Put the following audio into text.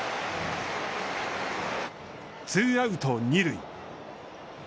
ツーアウト、二塁。